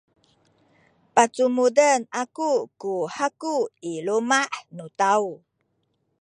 pacumuden aku ku haku i luma’ nu taw.